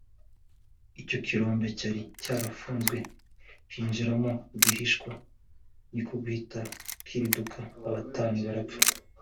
Icyo kirombe cyari cyarafunzwe binjiramo rwihishwa nuko gihita kiriduka batanu barapfa